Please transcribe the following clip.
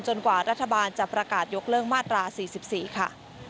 กว่ารัฐบาลจะประกาศยกเลิกมาตรา๔๔ค่ะ